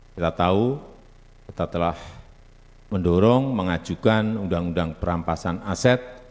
kita tahu kita telah mendorong mengajukan undang undang perampasan aset